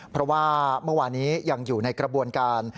เพราะว่าเมื่อวานี้ยังอยู่ในกระบวนการ